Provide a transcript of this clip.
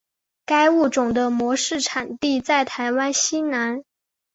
该物种的模式产地在台湾西南。